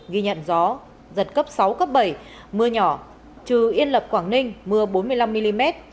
ghi nhận gió giật cấp sáu cấp bảy mưa nhỏ trừ yên lập quảng ninh mưa bốn mươi năm mm